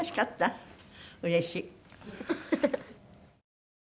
うれしい。